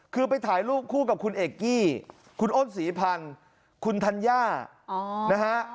คือไปถ่ายรูปคู่กับคุณเอกกี้คุณอ้นศรีพันธ์คุณธัญญานะฮะ